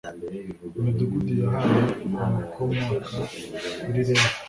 Imidugudu yahawe abakomoka kuri Lewi